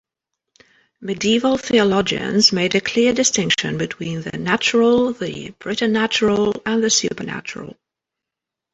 Medieval theologians made a clear distinction between the natural, the preternatural and the supernatural.